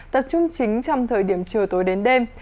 tập trung chính trong thời điểm chiều tối đến đêm